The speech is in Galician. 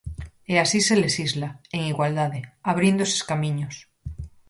E así se lexisla, en igualdade, abrindo eses camiños.